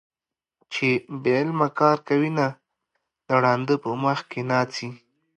چې بې علمه کار کوينه - د ړانده په مخ کې ناڅي